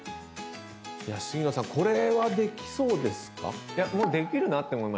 杉野さんこれはできそうですか？